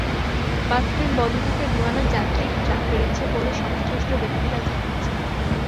Bus train বন্ধ থাকায় বিমানে যাত্রীর চাপ বেড়েছে বলে সংশ্লিষ্ট ব্যক্তিরা জানিয়েছেন।